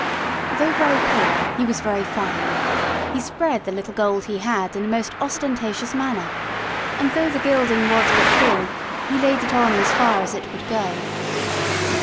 Though very poor he was very fine ; he spread the little gold he had in the most ostentatious manner, and though the gilding was but thin, he laid it on as far as it would go.